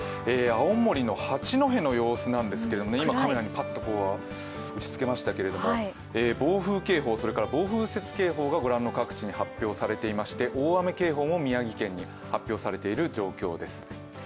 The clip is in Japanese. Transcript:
青森の八戸の様子ですけれども、今、カメラにパッと打ち付けましたけども暴風警報、暴風雪警報が御覧の各地に発表されていまして大雨警報も宮城県に発表されている状況です。